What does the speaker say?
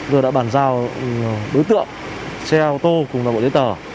vừa đã bàn giao đối tượng xe ô tô cùng bộ giấy tờ